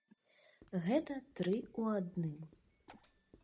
Гэта тры ў адным.